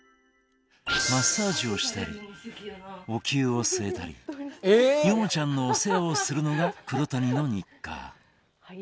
マッサージをしたりお灸をすえたりヨモちゃんのお世話をするのが黒谷の日課。